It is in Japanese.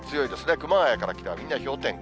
熊谷から北はみんな氷点下。